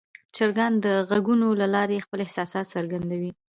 چرګان د غږونو له لارې خپل احساسات څرګندوي.